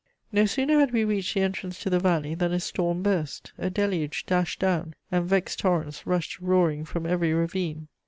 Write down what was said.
No sooner had we reached the entrance to the valley than a storm burst; a deluge dashed down, and vexed torrents rushed roaring from every ravine.